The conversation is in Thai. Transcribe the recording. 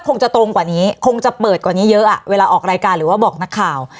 คงจะตรงกว่านี้คงจะเปิดกว่านี้เยอะอ่ะเวลาออกรายการหรือว่าบอกนักข่าว